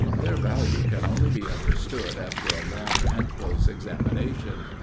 Their value can only be understood after a long and close examination.